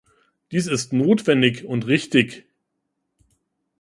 Dies ist notwendig und richtig!